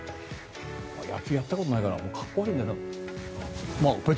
野球やったことないからかっこ悪いんだよな。